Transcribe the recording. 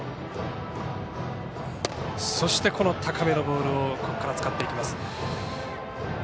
そして、高めのボールを使ってきます。